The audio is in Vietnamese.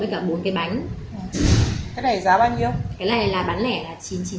cái này là bán lẻ là chín trăm chín mươi tám